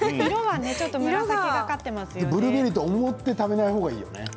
ブルーベリーと思って食べない方がいいよね。